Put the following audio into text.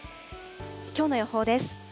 きょうの予報です。